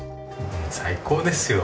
最高ですよ。